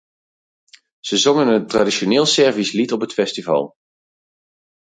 Ze zongen een traditioneel Servisch lied op het festival.